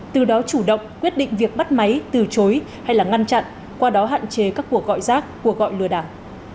từ đó chủ động quyết định việc bắt máy từ chối hay là ngăn chặn qua đó hạn chế các cuộc gọi rác cuộc gọi lừa đảo